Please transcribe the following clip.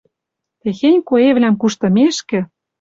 Техень коэвлӓм куштымешкӹ